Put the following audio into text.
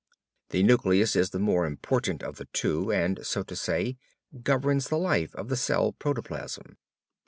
The nucleus is the more important of the two and, so to say, governs the life of the cell protoplasm.